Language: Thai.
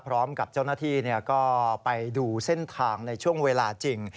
พร้อมกับเจ้าหน้าที่ก็ไปดูเส้นทางในช่วงเวลาจริง